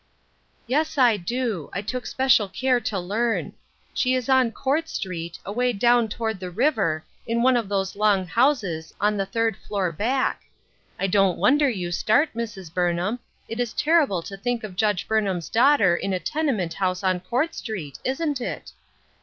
Yes, I do ; I took special care to learn. She is on Court Street, away down toward the river, in one of those long houses, on the third floor back. I don't wonder you start, Mrs. Burnham ; it is terrible to think of Judge Burnham's daughter in a tenement house on Court Street, isn't it ?